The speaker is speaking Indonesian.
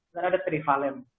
dan ada trivalent